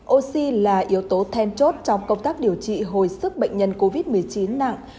oxy là yếu tố then chốt trong công tác điều trị hồi sức bệnh nhân covid một mươi chín nặng